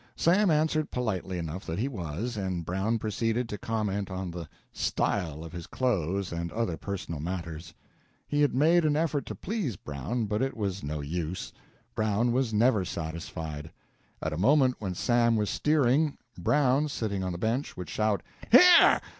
Sam answered politely enough that he was, and Brown proceeded to comment on the "style" of his clothes and other personal matters. He had made an effort to please Brown, but it was no use. Brown was never satisfied. At a moment when Sam was steering, Brown, sitting on the bench, would shout: "Here!